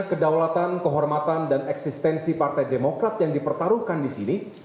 kedaulatan kehormatan dan eksistensi partai demokrat yang dipertaruhkan disini